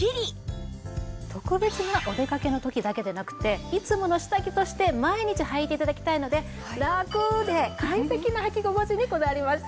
特別なお出かけの時だけでなくていつもの下着として毎日はいて頂きたいのでラクで快適なはき心地にこだわりました。